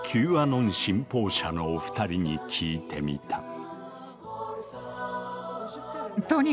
アノン信奉者のお二人に聞いてみた。